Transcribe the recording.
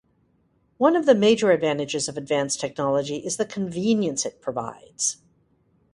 One of the major advantages of advanced technology is the convenience it provides.